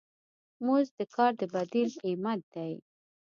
مزد د کار د بدیل قیمت دی.